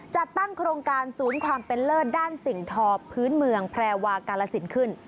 จัดตั้งโครงการศูนย์ความเป็นเลิศด้านสิ่งทอพื้นเมืองแพรวากาลสินขึ้น